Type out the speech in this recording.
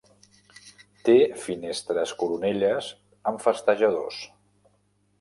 Té finestres coronelles amb festejadors.